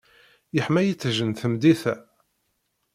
Yeḥma yiṭij n tmeddit-a.